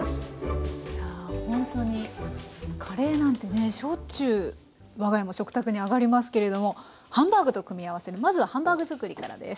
や本当にカレーなんてねしょっちゅうわが家も食卓に上がりますけれどもハンバーグと組み合わせるまずはハンバーグ作りからです。